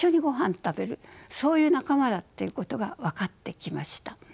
そういう仲間だっていうことが分かってきました。